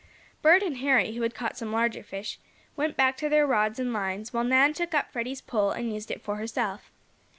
Bert and Harry, who had caught some larger fish, went back to their rods and lines, while Nan took up Freddie's pole and used it for herself.